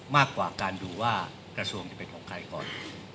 มากกว่าการดูว่ากระทรวงจะเป็นของใครก่อน